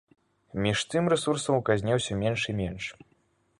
Між тым, рэсурсаў у казне ўсё менш і менш.